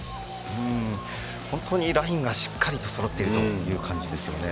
本当にラインがしっかりとそろっている感じですね。